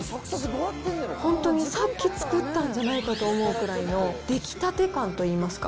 本当にさっき作ったんじゃないかと思うくらいの出来たて感といいますか。